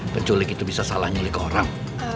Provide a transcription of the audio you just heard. penculik itu bisa salah nyulik orang